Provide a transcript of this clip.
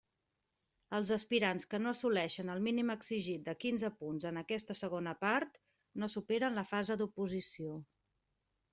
Els aspirants que no assoleixen el mínim exigit de quinze punts en aquesta segona part, no superen la fase d'oposició.